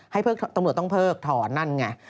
ตำรวจต้องเพิกถอนนั่นไง